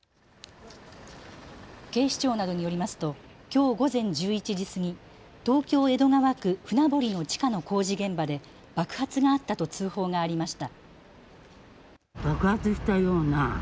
警視庁などによりますときょう午前１１時過ぎ東京江戸川区船堀の地下の工事現場で爆発があったと通報がありました。